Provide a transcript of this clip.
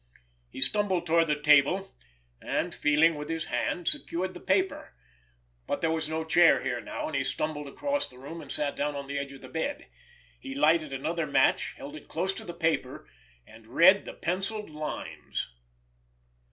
He stumbled toward the table, and, feeling with his hand, secured the paper—but there was no chair here now, and he stumbled across the room, and sat down on the edge of the bed. He lighted another match, held it close to the paper, and read the pencilled lines.